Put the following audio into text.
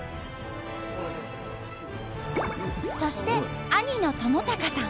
そして兄の智隆さん。